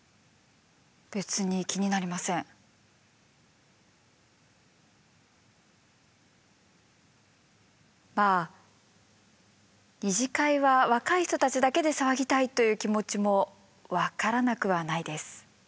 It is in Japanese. まあ二次会は若い人たちだけで騒ぎたいという気持ちも分からなくはないです。